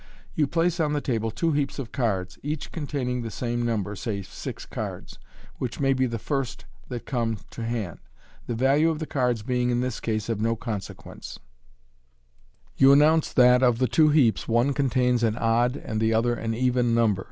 You place on the tabk two heaps of cards, each containing the same number, say six cards, which may be the first that come to hand the vahie of the cards being in this case of no consequence. i©4 MODERN MAGIC. You announce that, of the two heaps, one contains an odd and the other an even number.